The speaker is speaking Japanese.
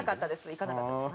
行かなかったです